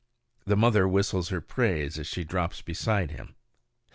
The mother whistles her praise as she drops beside him.